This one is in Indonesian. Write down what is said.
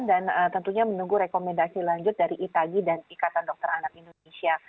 dan tentunya menunggu rekomendasi lanjut dari itagi dan ikatan dokter anak indonesia